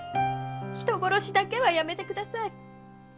人殺しだけはやめてください。